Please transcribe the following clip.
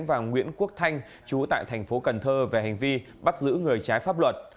và nguyễn quốc thanh chú tại thành phố cần thơ về hành vi bắt giữ người trái pháp luật